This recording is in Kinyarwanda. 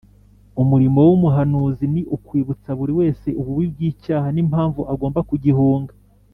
Umurimo w'Umuhanuzi ni ukwibutsa buri wese ububi bw'icyaha, n'impamvu agomba kugihunga.